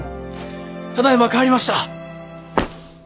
ただいま帰りました。